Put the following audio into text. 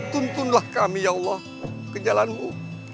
tuntunlah kami ya allah ke jalan mu